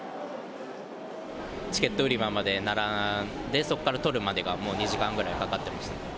チケット売り場まで並んで、そこから取るまでがもう２時間ぐらいかかってました。